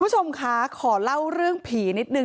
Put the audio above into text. คุณผู้ชมคะขอเล่าเรื่องผีนิดนึง